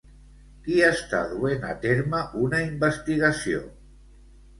Qui està duent a terme una investigació?